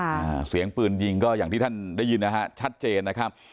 อ่าเสียงปืนยิงก็อย่างที่ท่านได้ยินนะฮะชัดเจนนะครับ